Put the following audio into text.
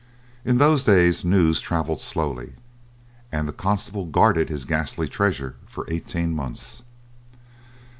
In those days news travelled slowly, and the constable guarded his ghastly treasure for eighteen months.